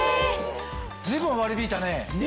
随分割り引いたね。